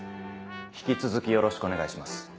引き続きよろしくお願いします。